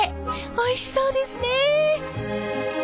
おいしそうですねえ。